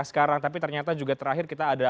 sekarang tapi ternyata juga terakhir kita ada